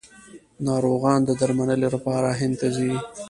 ناروغان د درملنې لپاره هند ته ځي.